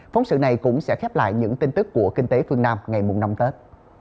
phóng sự này cũng sẽ khép lại những tin tức của kinh tế phương nam ngày năm tết